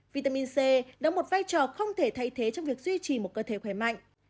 vitamin c đóng một vai trò không thể thay thế trong việc duy trì một cơ thể khỏe mạnh